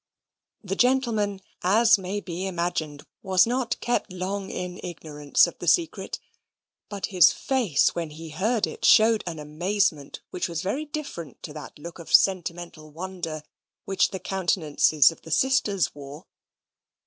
This gentleman, as may be imagined, was not kept long in ignorance of the secret. But his face, when he heard it, showed an amazement which was very different to that look of sentimental wonder which the countenances of the sisters wore.